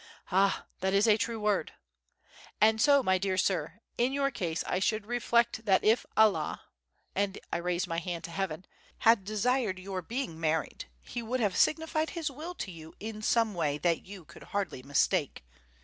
"Ah! that is a true word." "And so, my dear sir, in your case I should reflect that if Allah" (and I raised my hand to Heaven) "had desired your being married, he would have signified his will to you in some way that you could hardly mistake.